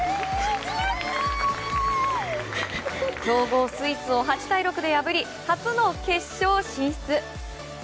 強豪スイスを８対６で破り初の決勝進出。